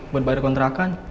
buat bayar kontrakan